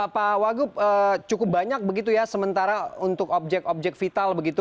pak wagub cukup banyak begitu ya sementara untuk objek objek vital begitu